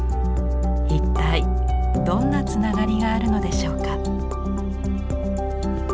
一体どんなつながりがあるのでしょうか。